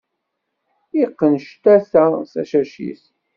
Iqqen ctata tacacit.